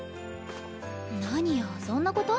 何よそんなこと？